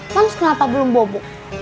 moms kenapa belum bobok